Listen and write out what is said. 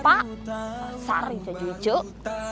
pasar ya jujuk